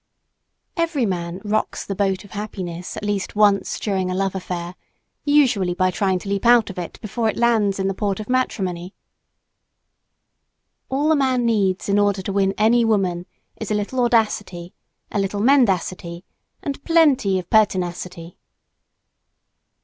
Every man "rocks the boat" of happiness at least once during a love affair usually by trying to leap out of it before it lands in the port of Matrimony. All a man needs in order to win any woman is a little audacity, a little mendacity and plenty of pertinacity.